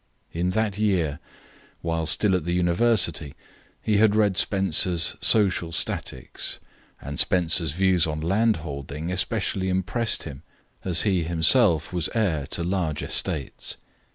In that year, while still at the University, he had read Spencer's Social Statics, and Spencer's views on landholding especially impressed him, as he himself was heir to large estates.